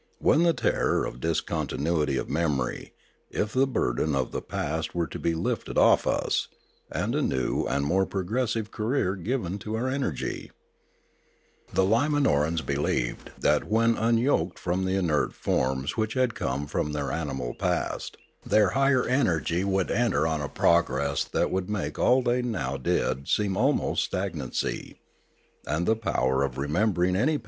Whence the terror of discontinuity of memory, if the burden of the past were to be lifted off us, and a new and more progressive career given to our energy ? The Lima norans believed that when unyoked from the inert forms which had come from their animal past, their higher energy would enter on a progress that would make all they now did seem almost stagnancy; and the power of remembering any